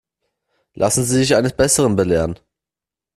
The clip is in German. Lassen Sie sich eines Besseren belehren.